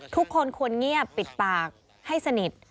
ทุกคนควรเงียบปิดปากให้สนิท